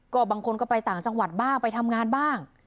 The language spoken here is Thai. ก็บางคนก็ไปต่างจังหวัดบ้างไปทำงานบ้าง